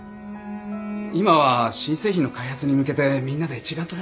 今は新製品の開発に向けてみんなで一丸となって。